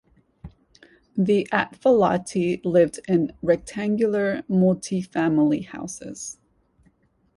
The Atfalati lived in rectangular multi-family houses.